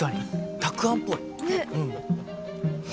たくあんっぽい。ね！